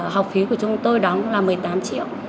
học phí của chúng tôi đóng là một mươi tám triệu